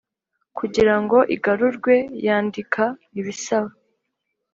kugira ngo igarurwe yandika ibisaba